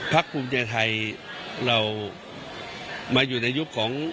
ภูมิใจไทยเรามาอยู่ในยุคของ